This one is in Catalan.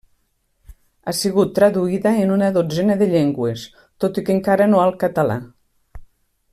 Ha sigut traduïda en una dotzena de llengües, tot i que encara no al català.